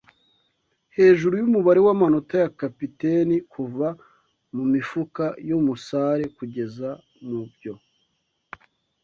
hejuru yumubare wamanota ya capitaine kuva mumifuka yumusare kugeza mubyo